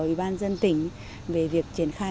ủy ban dân tỉnh về việc triển khai